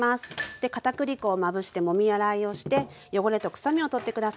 で片栗粉をまぶしてもみ洗いをして汚れと臭みを取って下さい。